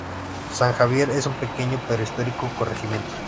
San Javier es un pequeño pero histórico corregimiento.